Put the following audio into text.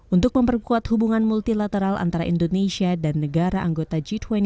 untuk memperkuat hubungan multilateral antara indonesia dan negara anggota g dua puluh